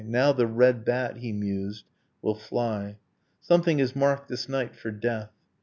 . Now the red bat, he mused, will fly; Something is marked, this night, for death